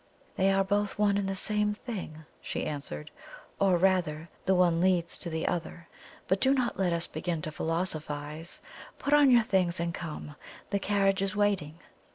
"They are both one and the same thing," she answered; "or rather, the one leads to the other. But do not let us begin to philosophize. Put on your things and come. The carriage is waiting."